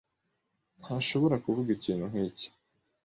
Ntashobora kuvuga ikintu nkiki